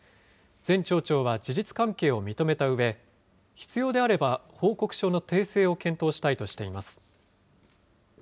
前町長は事実関係を認めたうえ、必要であれば、報告書の訂正を検討したいとしています。